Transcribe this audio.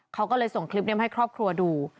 เขาก็เลยส่งคลิปนี้มาให้ครอบครัวดู